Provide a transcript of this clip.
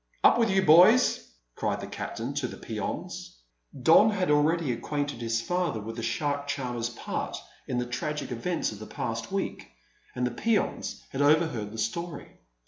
"Up with you, boys!" cried the captain to the peons. Don had already acquainted his father with the shark charmer's part in the tragic events of the past week, and the peons had overheard the story.